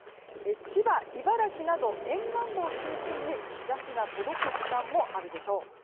千葉、茨城など沿岸部を中心に日差しが届く時間もあるでしょう。